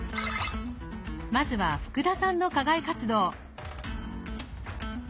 まずは福田さんの課外活動。